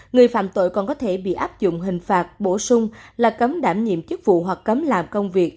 người phạm tội còn có thể bị áp dụng hình phạt bổ sung là cấm đảm nhiệm chức vụ hoặc cấm làm công việc